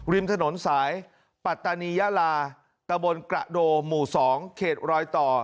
ริมถนนสายปัตตานียาลาตะบนกระโดหมู่๒เขตรอยต่อ